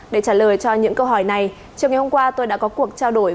để trả lời cho những câu hỏi này chiều ngày hôm qua tôi đã có cuộc trao đổi